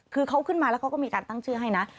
คือเขาขึ้นมาแล้วเขาก็มีการตั้งชื่อให้นะ